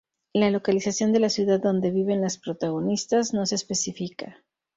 La localización de la ciudad donde viven las protagonistas no se especifica.